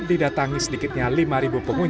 kebetulan hari ini kita ada acara panggung